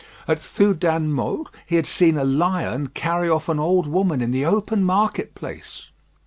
At Thu dan mot, he had seen a lion carry off an old woman in the open market place.